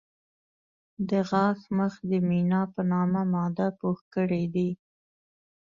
د غاښ مخ د مینا په نامه ماده پوښ کړی دی.